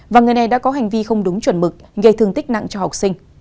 và người này đã có hành vi không đúng chuẩn mực gây thương tích nặng cho học sinh